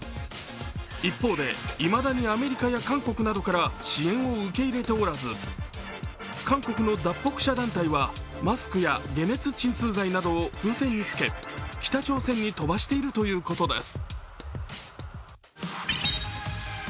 一方でいまだにアメリカや韓国などから支援を受け入れておらず韓国の脱北者団体はマスクや解熱鎮痛剤などを風船につけ北朝鮮に飛ばしているということです。